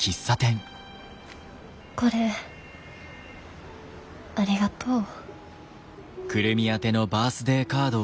これありがとう。